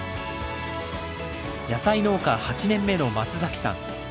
野菜農家８年目の松崎さん。